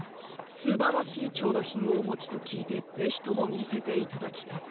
すばらしいちょうどひんをおもちときいてぜひともみせていただきたく。